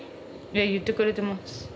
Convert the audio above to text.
言ってくれてます。